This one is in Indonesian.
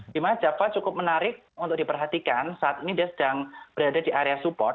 di mana java cukup menarik untuk diperhatikan saat ini dia sedang berada di area support